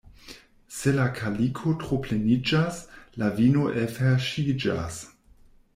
Se la kaliko tro pleniĝas, la vino elverŝiĝas.